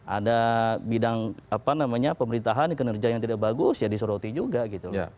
ada bidang pemerintahan kinerja yang tidak bagus ya disuruti juga gitu